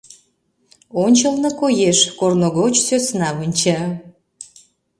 Ончылно коеш: корно гоч сӧсна вонча.